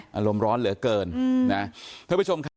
อารมณ์ร้อนเหลือเกินนะท่านผู้ชมครับ